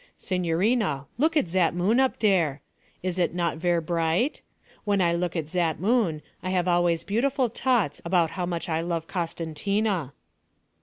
'Signorina, look at zat moon up dere. Is it not ver' bright? When I look at zat moon I have always beautiful toughts about how much I love Costantina.'